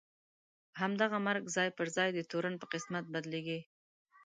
همدغه مرګ ځای پر ځای د تورن په قسمت بدلېږي.